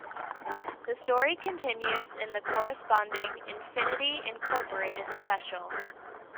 The story continues in the corresponding Infinity Incorporated special.